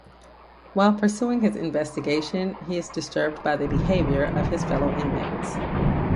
While pursuing his investigation, he is disturbed by the behavior of his fellow inmates.